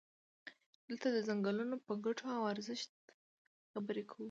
دلته د څنګلونو په ګټو او ارزښت خبرې کوو.